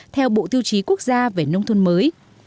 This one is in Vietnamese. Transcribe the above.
theo bộ tiêu chí quốc gia về nông thôn mới